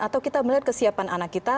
atau kita melihat kesiapan anak kita